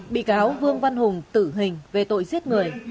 bị cáo vương văn hùng tử hình về tội giết người